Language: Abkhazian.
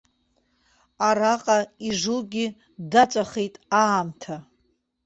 Араҟа ижугьы даҵәахит аамҭа.